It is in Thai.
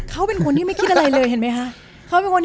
เขาเป็นคนที่ไม่คิดอะไรเลยเห็นไหมคะ